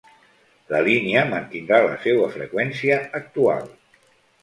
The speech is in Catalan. La línia mantindrà la seua freqüència actual.